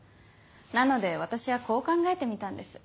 なので私はこう考えてみたんです。